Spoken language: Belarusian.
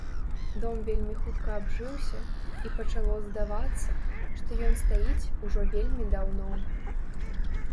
Дом вельмі хутка абжыўся, і пачало здавацца, што ён стаіць ужо вельмі даўно.